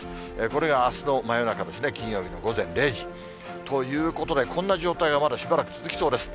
これがあすの真夜中ですね、金曜日の午前０時、ということで、こんな状態がまだしばらく続きそうです。